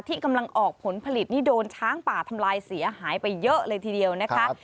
ที่กำลังออกผลผลิตนี่โดนช้างป่าทำลายเสียหายไปเยอะเลยทีเดียวนะคะ